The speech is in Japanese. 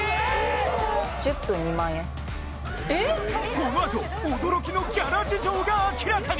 このあと驚きのギャラ事情が明らかに！